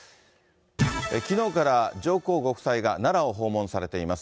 きのうから上皇ご夫妻が奈良を訪問されています。